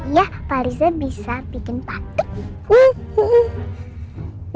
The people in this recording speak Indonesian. iya pak rija bisa bikin pantun